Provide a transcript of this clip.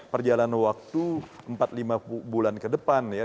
perjalanan waktu empat lima bulan ke depan ya